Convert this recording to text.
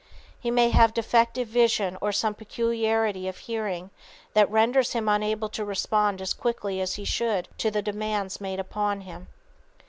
He may have defective vision or some peculiarity of hearing that renders him unable to respond as quickly as he should to the demands made upon him.